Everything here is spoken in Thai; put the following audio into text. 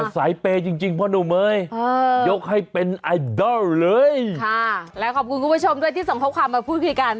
สายเปย์จริงจริงพ่อหนุ่มเอ้ยยกให้เป็นไอดอลเลยค่ะและขอบคุณคุณผู้ชมด้วยที่ส่งข้อความมาพูดคุยกัน